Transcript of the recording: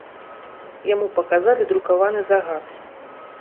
Яму паказалі друкаваны загад.